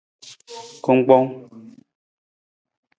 Kungkpong.